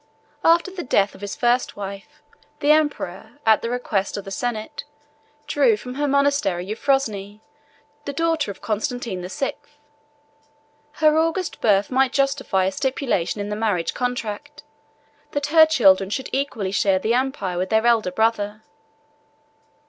After the death of his first wife, the emperor, at the request of the senate, drew from her monastery Euphrosyne, the daughter of Constantine the Sixth. Her august birth might justify a stipulation in the marriage contract, that her children should equally share the empire with their elder brother.